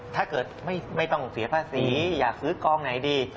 ถ้าเกิดไม่ต้องเสียภาษีอยากซื้อกองไหนดี